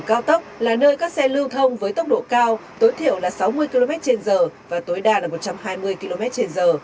đường cao tốc là nơi các xe lưu thông với tốc độ cao tối thiểu là sáu mươi km trên giờ và tối đa là một trăm hai mươi km trên giờ